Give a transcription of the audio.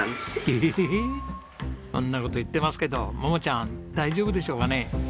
エヘヘこんな事言ってますけど桃ちゃん大丈夫でしょうかね？